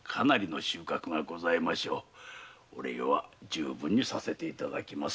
お礼は十分にさせていただきます。